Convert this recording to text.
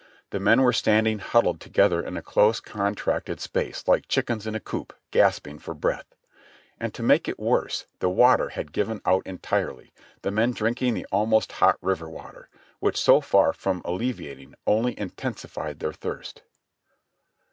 The men were standing huddled together in a close, contracted space, like chickens in a coop, gasping for breath ; and to make it worse, the water had given out entirely, the men drinking the almost hot river water, which so far from alleviating, only intensi fied their thirst.